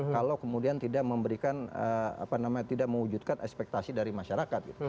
kalau kemudian tidak memberikan apa namanya tidak mewujudkan ekspektasi dari masyarakat